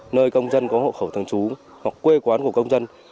nơi công dân có hộ khẩu thân chú hoặc quê quán của công dân